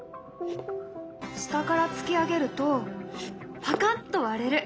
下から突き上げるとパカッと割れる。